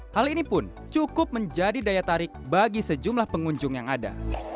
hal ini pun cukup menjadi daya tarik bagi sejumlah pengunjung yang ada